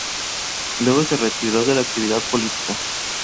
Luego, se retiró de la actividad política.